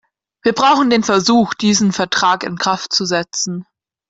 Wir brauchen den Versuch, diesen Vertrag in Kraft zu setzen.